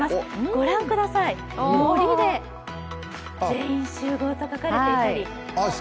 ご覧ください、のりで「全員集合」と書かれていたり。